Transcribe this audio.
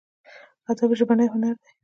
ادب ژبنی هنر دی.